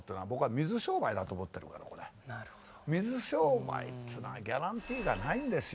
水商売っていうのはギャランティー以外ないんですよ。